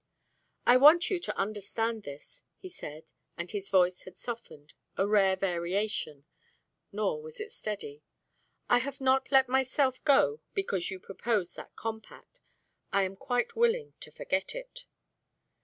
"I want you to understand this," he said, and his voice had softened, a rare variation, nor was it steady. "I have not let myself go because you proposed that compact. I am quite willing to forget it."